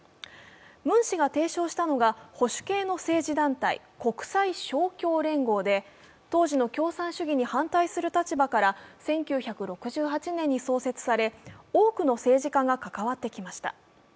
ムン氏が提唱したのが保守系の政治団体、国際勝共連合で当時の共産主義に反対する立場から１９６８年に創設され、多くの政治家が関わってきました。